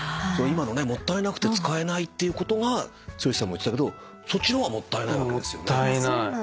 今のねもったいなくて使えないっていうことが剛さんも言ってたけどそっちの方がもったいない。